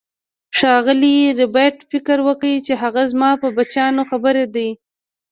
ښاغلي ربیټ فکر وکړ چې هغه زما په بچیانو خبر دی